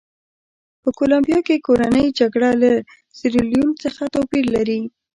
په کولمبیا کې کورنۍ جګړه له سیریلیون څخه توپیر لري.